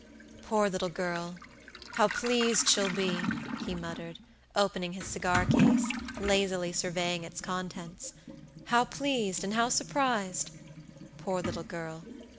"Poor little girl, how pleased she'll be!" he muttered, opening his cigar case, lazily surveying its contents; "how pleased and how surprised? Poor little girl.